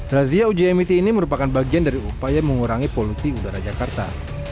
razia uji emisi ini merupakan bagian dari upaya mengurangi polusi udara jakarta